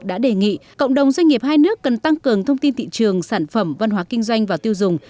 đã đề nghị cộng đồng doanh nghiệp hai nước cần tăng cường thông tin thị trường sản phẩm văn hóa kinh doanh và tiêu dùng